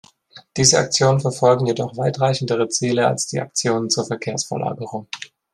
Diese Aktionen verfolgen jedoch weitreichendere Ziele als die Aktionen zur Verkehrsverlagerung.